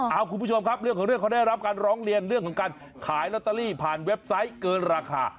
เอาคุณผู้ชมครับเรื่องของเรื่องเขาได้รับการร้องเรียนเรื่องของการขายลอตเตอรี่ผ่านเว็บไซต์เกินราคา